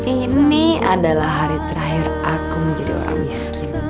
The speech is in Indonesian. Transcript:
ini adalah hari terakhir aku menjadi orang miskin